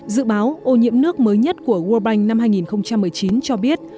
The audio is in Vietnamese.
dự báo ô nhiễm nước mới nhất của world bank năm hai nghìn một mươi chín cho biết